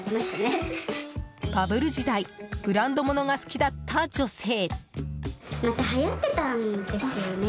バブル時代ブランド物が好きだった女性。